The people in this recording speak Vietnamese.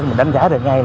mình đánh giá được ngay